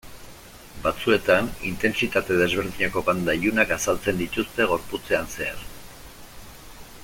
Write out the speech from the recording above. Batzuetan, intentsitate desberdineko banda ilunak azaltzen dituzte gorputzean zehar.